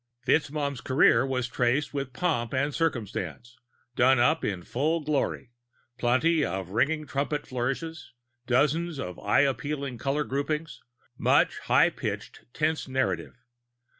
FitzMaugham's career was traced with pomp and circumstance, done up in full glory: plenty of ringing trumpet flourishes, dozens of eye appealing color groupings, much high pitched, tense narrative.